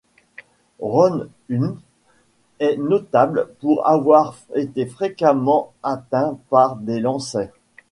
Ron Hunt est notable pour avoir été fréquemment atteint par des lancers.